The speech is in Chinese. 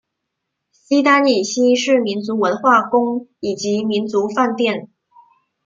西单以西是民族文化宫以及民族饭店。